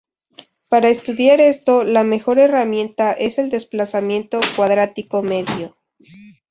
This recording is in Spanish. Para estudiar esto, la mejor herramienta es el desplazamiento cuadrático medio.